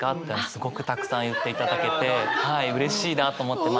すごくたくさん言っていただけてはいうれしいなと思ってます。